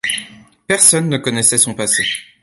Personne ne connaissait son passé.